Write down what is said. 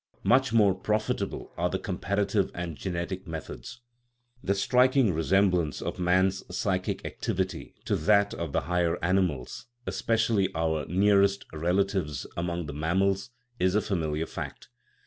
Much more profitable are the comparative and genetic methods. The striking resemblance of man's psychic activity to that of the higher animals especially our nearest relatives among the mammals is a familiar fact.